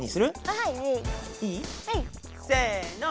はい。